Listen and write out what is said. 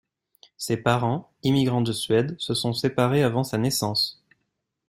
Ses parents, immigrants de Suède, se sont séparés avant sa naissance.